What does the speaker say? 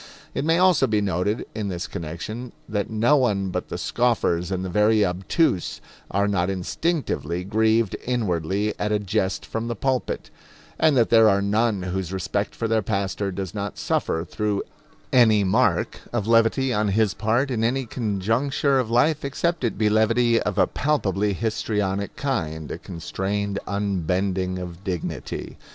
It may also be noted in this connection that no one but the scoffers and the very obtuse are not instinctively grieved inwardly at a jest from the pulpit; and that there are none whose respect for their pastor does not suffer through any mark of levity on his part in any conjuncture of life, except it be levity of a palpably histrionic kind a constrained unbending of dignity.